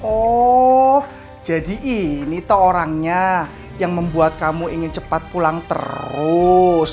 oh jadi ini tuh orangnya yang membuat kamu ingin cepat pulang terus